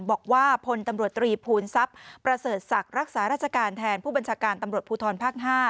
บอกว่าพลตำรวจตรีภูมิทรัพย์ประเสริฐศักดิ์รักษาราชการแทนผู้บัญชาการตำรวจภูทรภาค๕